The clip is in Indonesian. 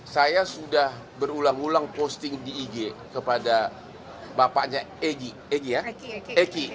saya sudah berulang ulang posting di ig kepada bapaknya egy